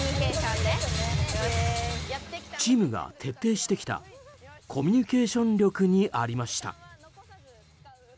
チームが徹底してきたコミュニケーション力にありました。